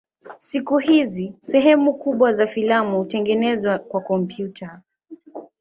Siku hizi sehemu kubwa za filamu hutengenezwa kwa kompyuta.